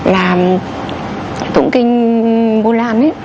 là tụng kinh vô lan